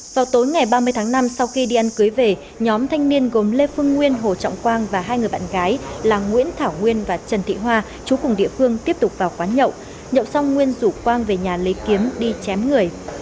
vào tối ngày ba mươi tháng năm sau khi đi ăn cưới về nhóm thanh niên gồm lê phương nguyên hồ trọng quang và hai người bạn gái là nguyễn thảo nguyên và trần thị hoa chú cùng địa phương tiếp tục vào quán nhậu nhậu xong nguyên rủ quang về nhà lấy kiếm đi chém người